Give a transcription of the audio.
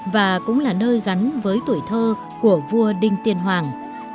và cũng là nơi gắn với tuổi thơ của vua đinh tiên hoàng